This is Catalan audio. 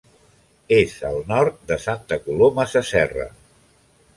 És al nord de Santa Coloma Sasserra.